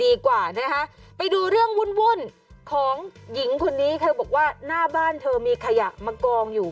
ดีกว่านะคะไปดูเรื่องวุ่นของหญิงคนนี้เธอบอกว่าหน้าบ้านเธอมีขยะมากองอยู่